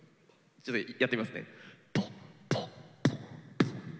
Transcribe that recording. ちょっとやってみますね。